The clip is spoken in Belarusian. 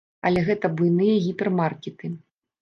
Але гэта буйныя гіпермаркеты.